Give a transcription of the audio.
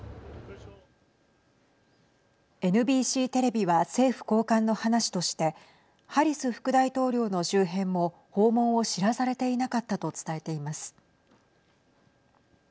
ＮＢＣテレビは政府高官の話としてハリス副大統領の周辺も訪問を知らされていなかったと伝えています。